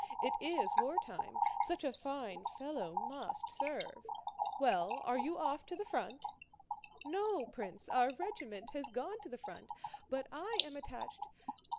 It is wartime. Such a fine fellow must serve. Well, are you off to the front?" "No, Prince, our regiment has gone to the front, but I am attached...